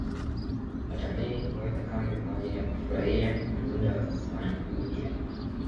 watalii huweka kambi kwa ajili ya kufurahia kwa muda kisiwani budya